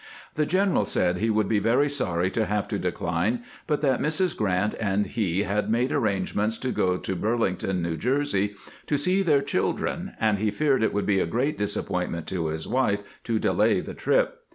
The general said he would be very sorry to have to decline, but that Mrs. Grant and he had made arrangements to go to Burlington, New Jersey, to see their children, and he feared it would be a great disappointment to his wife to delay the trip.